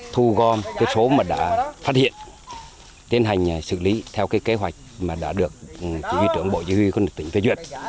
thu gom cái số mà đã phát hiện tiến hành xử lý theo cái kế hoạch mà đã được chỉ huy trưởng bộ chỉ huy quân lực tỉnh phê duyệt